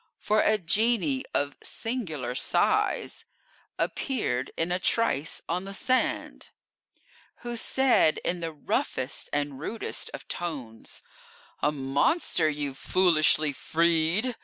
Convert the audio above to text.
For a genie of singular size Appeared in a trice on the sand, Who said in the roughest and rudest of tones: "A monster you've foolishly freed!